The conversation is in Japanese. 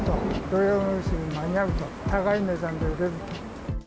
土用のうしに間に合うと、高い値段で売れる。